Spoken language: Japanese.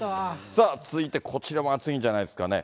さあ、続いてこちらも暑いんじゃないですかね。